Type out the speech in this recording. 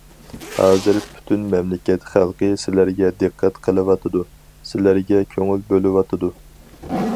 ھازىر پۈتۈن مەملىكەت خەلقى سىلەرگە دىققەت قىلىۋاتىدۇ، سىلەرگە كۆڭۈل بۆلۈۋاتىدۇ.